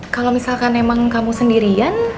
kalau misalkan emang kamu sendirian